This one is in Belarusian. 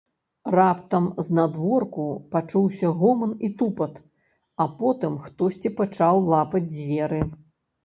Раптам знадворку пачуўся гоман і тупат, а потым хтосьці пачаў лапаць дзверы.